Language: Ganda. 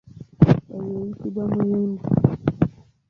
Eyo eyitibwa muyindu.